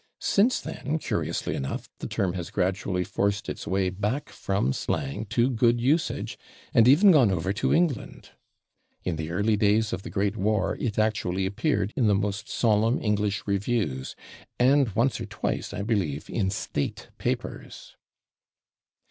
Since then, curiously enough, the term has gradually forced its way back from slang to good usage, and even gone over to England. In the early days of the Great War it actually appeared in the most solemn English reviews, and once or twice, I believe, in state papers.